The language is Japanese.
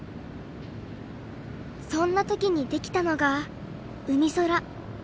そんな時にできたのがうみそら。